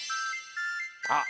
あっ！